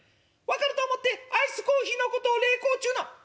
「分かると思ってアイスコーヒーのことを冷コーっちゅうな」。